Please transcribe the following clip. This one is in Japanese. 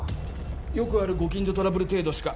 よくあるご近所トラブル程度しか。